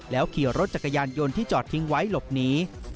ขี่รถจักรยานยนต์ที่จอดทิ้งไว้หลบหนี